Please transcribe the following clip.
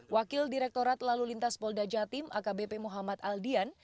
wakil direkturat lalu lintas polda jatim akbp muhammad aldian